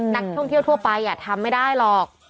นักท่องเที่ยวทั่วไปทำไม่ได้หรอก